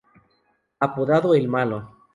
Apodado "El Malo".